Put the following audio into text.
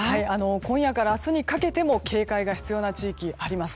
今夜から明日にかけても警戒が必要な地域、あります。